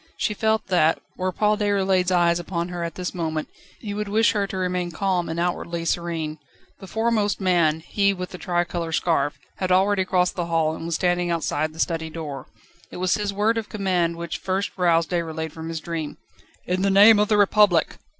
She felt that, were Paul Déroulède's eyes upon her at this moment, he would wish her to remain calm and outwardly serene. The foremost man he with the tricolour scarf had already crossed the hall, and was standing outside the study door. It was his word of command which first roused Déroulède from his dream: "In the name of the Republic!"